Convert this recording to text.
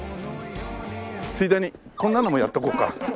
ついでにこんなのもやっとこうか。